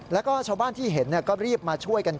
แล้วก็ชาวบ้านที่เห็นก็รีบมาช่วยกัน